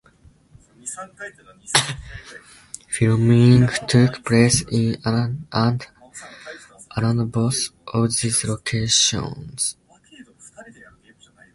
Filming took place in and around both of these locations.